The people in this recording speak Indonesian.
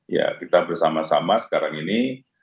ya kita bersama sama sekarang ini